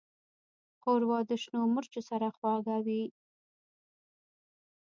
ښوروا د شنو مرچو سره خوږه وي.